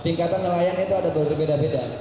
tingkatan nelayan itu ada berbeda beda